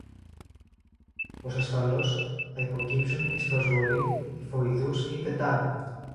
Πως ασφαλώς «θα υποκύψουν εις προσβολήν τυφοειδούς ή τετάνου»